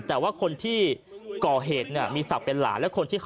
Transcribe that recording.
แต่ว่าคนที่ก่อเหตุเนี่ยมีศัพท์เป็นหลาน